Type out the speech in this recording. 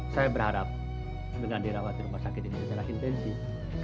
saya berharap dengan dirawat di rumah sakit yang benar benar intensif